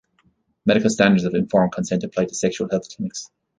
Medical standards of informed consent apply to sexual health clinics.